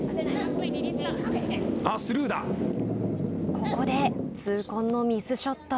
ここで痛恨のミスショット。